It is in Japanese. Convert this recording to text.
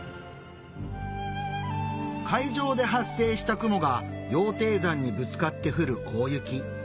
海上で発生した雲が羊蹄山にぶつかって降る大雪